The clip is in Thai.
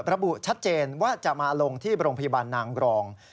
ระบุชัดเจนว่าจะมาลงที่โรงพยาบาลนางรอง